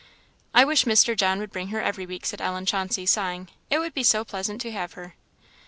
"I wish Mr. John would bring her every week," said Ellen Chauncey, sighing; "it would be so pleasant to have her."